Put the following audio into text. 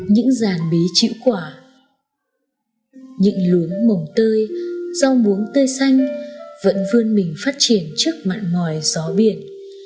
những giàn bí chịu quả những luống mồng tơi rau muống tơi xanh vẫn vươn mình phát triển trước mặn mòi gió biển